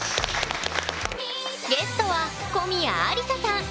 ゲストは小宮有紗さん。